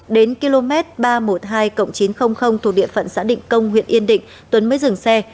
đến km ba trăm một mươi hai chín trăm linh thuộc địa phận xã định công huyện yên định tuấn mới dừng xe